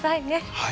はい。